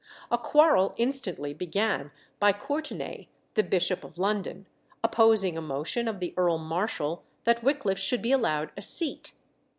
A quarrel instantly began by Courtenay, the Bishop of London, opposing a motion of the Earl Marshall that Wickliffe should be allowed a seat.